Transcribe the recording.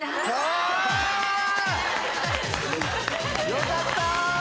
よかった！